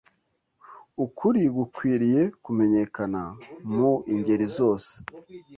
ukuri gukwiriye kumenyekana mu ingeri zose